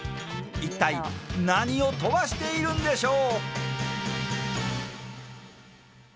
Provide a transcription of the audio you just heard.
一体何を飛ばしているんでしょう。